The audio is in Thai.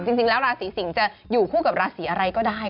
จริงแล้วราศีสิงศ์จะอยู่คู่กับราศีอะไรก็ได้